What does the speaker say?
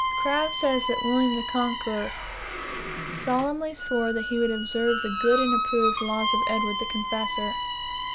Crabbe says that William the Conqueror "solemnly swore that he would observe the good and approved laws of Edward the Confessor."